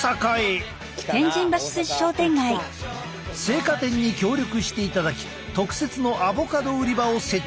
青果店に協力していただき特設のアボカド売り場を設置。